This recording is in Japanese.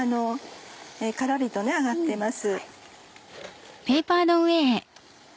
カラリと揚がっています。